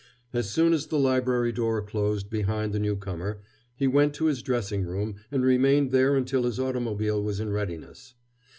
As soon as the library door closed behind the newcomer, he went to his dressing room and remained there until his automobile was in readiness.